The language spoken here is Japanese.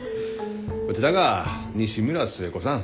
こちらが西村寿恵子さん。